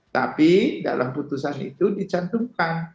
tapi dalam putusan itu dicantumkan